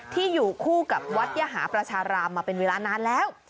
ที่อยู่คู่กับวัดยหาประชารามมาเป็นเวลานานแล้ว